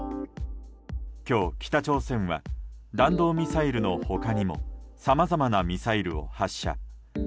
今日、北朝鮮は弾道ミサイルの他にもさまざまなミサイルを発射。